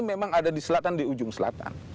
memang ada di selatan di ujung selatan